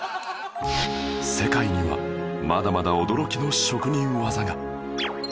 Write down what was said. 世界にはまだまだ驚きの職人技が